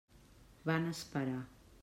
Van esperar.